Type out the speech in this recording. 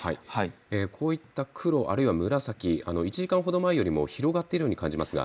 こういった黒、あるいは紫１時間ほど前よりも広がっているように感じますが。